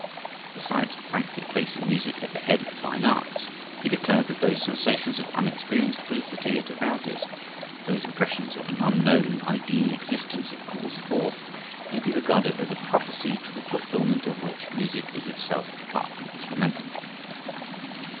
Besides frankly placing music at the head of the fine arts, he declared that those sensations of unexperienced felicity it arouses, those impressions of an unknown, ideal existence it calls forth, may be regarded as a prophecy to the fulfilment of which music is itself partly instrumental.